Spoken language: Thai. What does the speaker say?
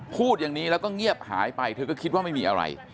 พูดอย่างนี้แล้วก็เงียบหายไปเธอก็คิดว่าไม่มีอะไร